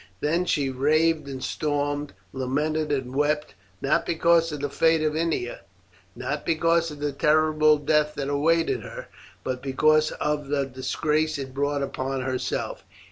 Then she raved and stormed, lamented and wept, not because of the fate of Ennia, not because of the terrible death that awaited her, but because of the disgrace it brought upon herself.